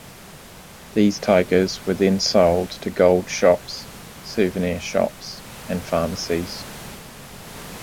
These tigers were then sold to gold shops, souvenir shops, and pharmacies.